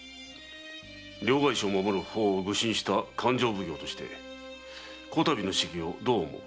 両替商を守る法を具申した勘定奉行として此度の仕儀をどう思う？